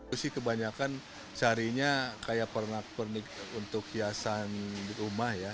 usi kebanyakan carinya kayak pernik untuk hiasan rumah ya